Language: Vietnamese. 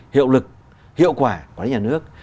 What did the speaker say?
hiệu lực hiệu quả của nhà nước